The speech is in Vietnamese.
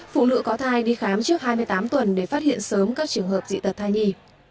phụ nữ có thai đi khám trước hai mươi tám tuần để phát hiện sớm các trường hợp dị tật thai nhi